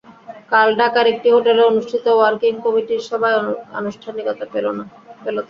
কাল ঢাকার একটি হোটেলে অনুষ্ঠিত ওয়ার্কিং কমিটির সভায় আনুষ্ঠানিকতা পেল তা।